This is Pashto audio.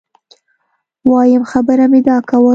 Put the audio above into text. وایم خبره مي دا کول